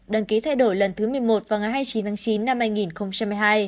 đăng ký thay đổi lần thứ một mươi một vào ngày hai mươi chín tháng chín năm hai nghìn hai mươi hai